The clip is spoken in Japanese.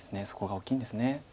そこが大きいんですね。